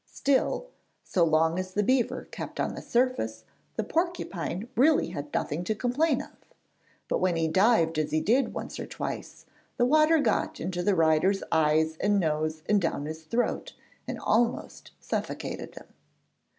Still, so long as the beaver kept on the surface, the porcupine really had nothing to complain of; but when he dived as he did once or twice, the water got into the rider's eyes and nose and down his throat, and almost suffocated him.